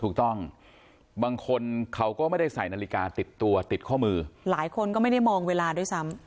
ถูกต้องบางคนเขาก็ไม่ได้ใส่นาฬิกาติดตัวติดข้อมือหลายคนก็ไม่ได้มองเวลาด้วยซ้ำ